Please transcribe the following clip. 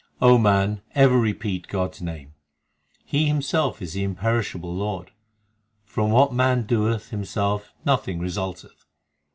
O man, ever repeat God s name ; He Himself is the imperishable Lord. From what man doeth himself nothing resulteth.